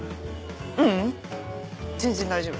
ううん全然大丈夫。